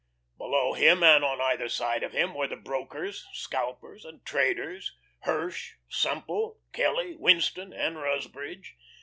Below him and on either side of him were the brokers, scalpers, and traders Hirsch, Semple, Kelly, Winston, and Rusbridge.